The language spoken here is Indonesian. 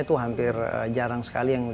itu hampir jarang sekali yang